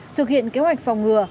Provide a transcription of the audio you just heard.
thực hiện kế hoạch phòng ngừa